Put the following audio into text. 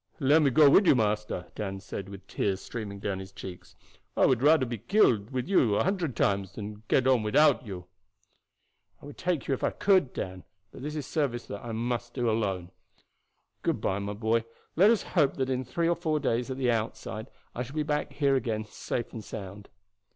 "Let me go with you, master," Dan said, with the tears streaming down his cheeks. "I would rather be killed with you a hundred times than get on without you." "I would take you if I could, Dan; but this is a service that I must do alone. Good by, my boy; let us hope that in three or four days at the outside I shall be back here again safe and sound."